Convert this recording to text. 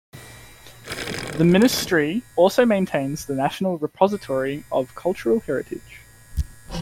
The ministry also maintains the National Repository of Cultural Heritage.